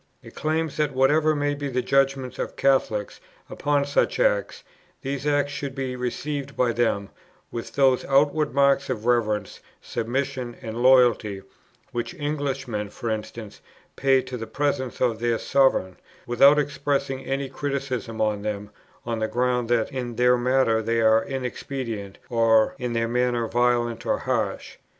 It claims that, whatever may be the judgment of Catholics upon such acts, these acts should be received by them with those outward marks of reverence, submission, and loyalty, which Englishmen, for instance, pay to the presence of their sovereign, without expressing any criticism on them on the ground that in their matter they are inexpedient, or in their manner violent or harsh.